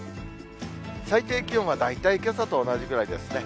最低気温は大体けさと同じぐらいですね。